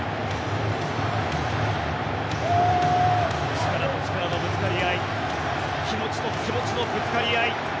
力と力のぶつかり合い気持ちと気持ちのぶつかり合い